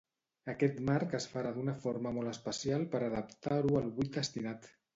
Aquest marc es farà d'una forma molt especial per adaptar-ho al buit destinat.